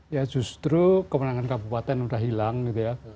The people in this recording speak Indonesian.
ya justru kemenangan kabupaten udah hilang gitu ya